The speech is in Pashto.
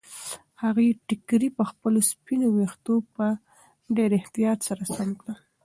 هغې ټیکری پر خپلو سپینو ویښتو په ډېر احتیاط سره سم کړ.